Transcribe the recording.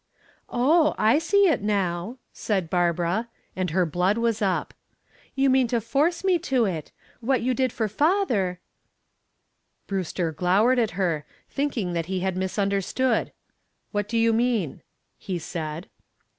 "Oh! I see it now," said Barbara, and her blood was up. "You mean to force me to it. What you did for father " Brewster glowered at her, thinking that he had misunderstood. "What do you mean?" he said.